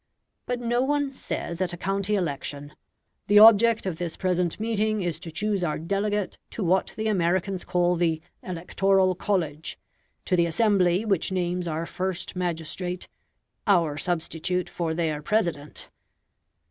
But no one says at a county election, "The object of this present meeting is to choose our delegate to what the Americans call the 'Electoral College,' to the assembly which names our first magistrate our substitute for their President.